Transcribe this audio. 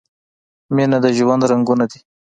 مینه د ژوند رنګونه دي.